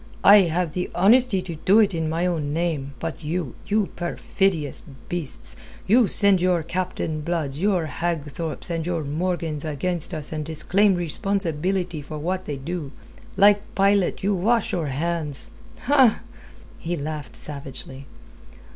I have the honesty to do it in my own name but you, you perfidious beasts, you send your Captain Bloods, your Hagthorpes, and your Morgans against us and disclaim responsibility for what they do. Like Pilate, you wash your hands." He laughed savagely.